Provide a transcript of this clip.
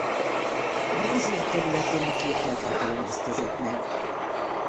Grúzia területén a két nagyhatalom osztozott meg.